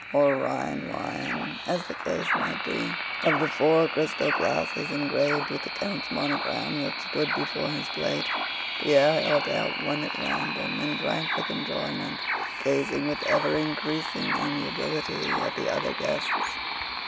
or "Rhine wine" as the case might be. Of the four crystal glasses engraved with the count's monogram that stood before his plate, Pierre held out one at random and drank with enjoyment, gazing with ever increasing amiability at the other guests.